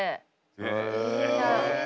へえ。